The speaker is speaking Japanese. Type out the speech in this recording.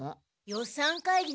予算会議。